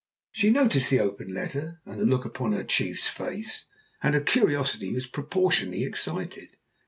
She noticed the open letter and the look upon her chief's face, and her curiosity was proportionately excited.